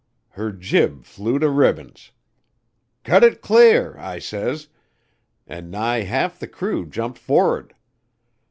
Her jib flew to ribbons. 'Cut it clear!' I says, and nigh half the crew jump for'ard.